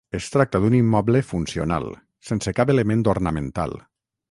Es tracta d'un immoble funcional, sense cap element ornamental.